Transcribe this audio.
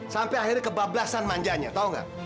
sampai akhirnya kebablasan manjanya tahu nggak